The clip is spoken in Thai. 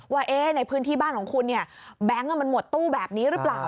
ว่าในพื้นที่บ้านของคุณเนี่ยแบงค์มันหมดตู้แบบนี้หรือเปล่า